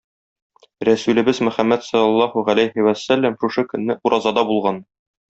Рәсүлебез Мөхәммәд салләллаһу галәйһи вәссәлам шушы көнне уразада булган.